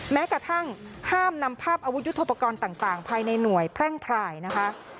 แม้กระทั่งห้ามนำภาพอาวุธยุทธโปรกรณ์ต่างภายในหน่วยแพร่งพรายนะคะ